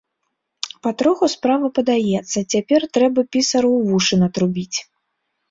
Патроху справа падаецца, цяпер трэба пісару ў вушы натрубіць.